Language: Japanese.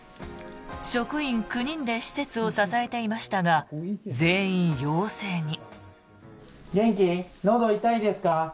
職員９人で施設を支えていましたが全員陽性に。